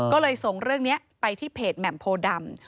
ก็เลยส่งเรื่องนี้ไปที่เพจแหม่มโพดำ